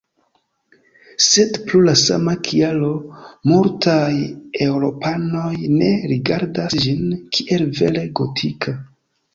Sed pro la sama kialo, multaj eŭropanoj ne rigardas ĝin kiel vere gotika.